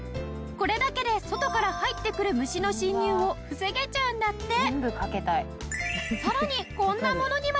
これだけで外から入ってくる虫の侵入を防げちゃうんだって。